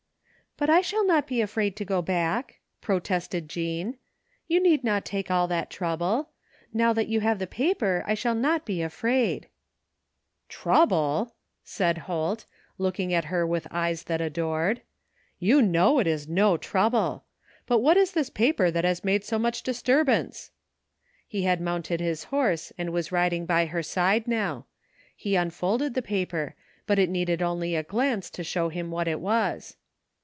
" But I shall not be afraid to go back," protested Jean. " You need not take all that trouble. Now that you have the paper I shall not be afraid." " Trouble !" said Hok, looking at her with eyes that adored. " You know it is no trouble. But what is this paper that has made so much disturbance? " He had mounted his horse and was riding by her side now. He unfolded the paper, but it needed only a glance to show him what it was.